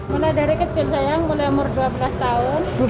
mulai dari kecil sayang mulai umur dua belas tahun